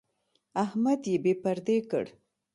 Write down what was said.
احمد يې بې پردې کړ.